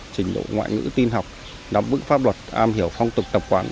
trình độ ngoại ngữ tin học nắm bức pháp luật am hiểu phong tục tập quản